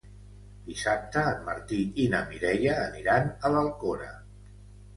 Dissabte en Martí i na Mireia aniran a l'Alcora.